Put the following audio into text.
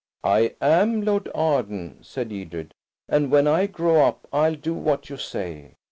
"I am Lord Arden," said Edred, "and when I grow up I'll do what you say.